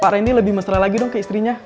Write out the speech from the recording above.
pak rendy lebih mesra lagi dong ke istrinya